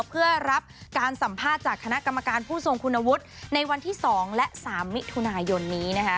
เพื่อรับการสัมภาษณ์จากคณะกรรมการผู้ทรงคุณวุฒิในวันที่๒และ๓มิถุนายนนี้